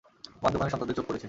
আমার দোকানে সন্তানদের চোখ পড়েছে।